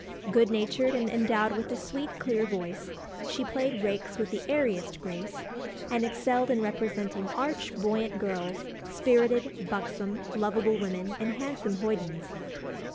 Good natured, and endowed with a sweet clear voice, she played rakes with the airiest grace, and excelled in representing arch, buoyant girls, spirited, buxom, lovable women, and handsome hoydens.